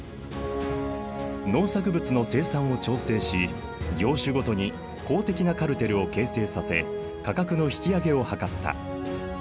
農作物の生産を調整し業種ごとに公的なカルテルを形成させ価格の引き上げを図った。